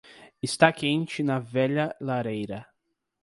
Está quente na velha lareira.